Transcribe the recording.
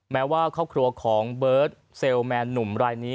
แม้ว่าครอบครัวของเบิร์ตเซมนหนุ่ม